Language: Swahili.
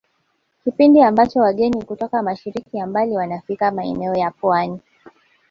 Kipindi ambacho wageni kutoka mashariki ya mbali wanafika maeneo ya Pwani